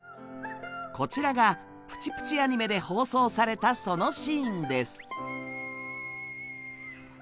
こちらが「プチプチ・アニメ」で放送されたそのシーンです。